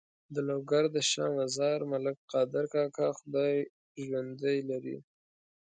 د لوګر د شا مزار ملک قادر کاکا خدای ژوندی لري.